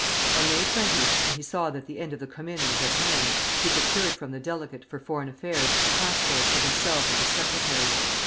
On May 20, when he saw that the end of the Commune was at hand, he procured from the Delegate for Foreign Affairs passports for himself and his secretary.